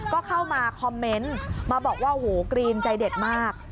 ก็เข้ามาคอมเมนต์มาบอกว่าโอ้โหกรีนใจเด็ดมาก